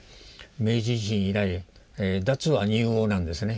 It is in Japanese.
明治維新以来脱亜入欧なんですね。